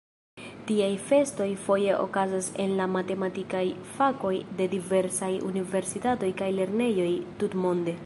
Tiaj festoj foje okazas en la matematikaj fakoj de diversaj universitatoj kaj lernejoj tutmonde.